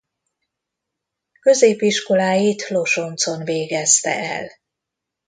Középiskoláit Losoncon végezte el.